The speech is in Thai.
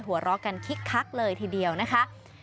หัวเราะกันคึกคักเลยทีเดียวนะคะ